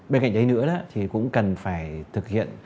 bên cạnh đấy nữa cũng cần phải thực hiện